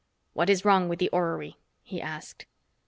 "What is wrong with the orrery?" he asked.